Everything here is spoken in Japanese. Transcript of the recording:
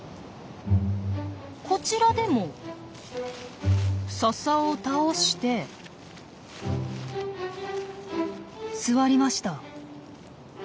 こちらでもササを倒して座りました。